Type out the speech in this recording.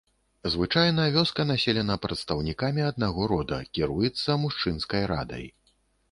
Звычайна вёска населена прадстаўнікамі аднаго рода, кіруецца мужчынскай радай.